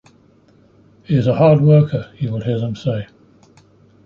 'He is a hard worker,' you will hear them say.